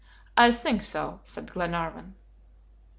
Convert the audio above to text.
"I think so," said Glenarvan.